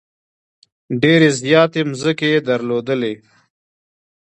ډېرې زیاتې مځکې یې درلودلې.